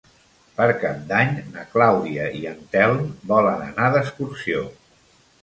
Per Cap d'Any na Clàudia i en Telm volen anar d'excursió.